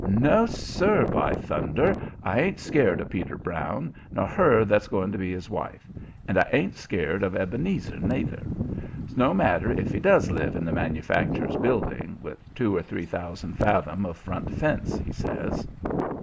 "No, sir, by thunder! I ain't scared of Peter Brown, nor her that's going to be his wife; and I ain't scared of Ebenezer neither; no matter if he does live in the Manufacturers' Building, with two or three thousand fathom of front fence," he says.